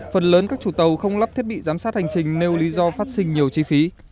phần lớn các chủ tàu không lắp thiết bị giám sát hành trình nêu lý do phát sinh nhiều chi phí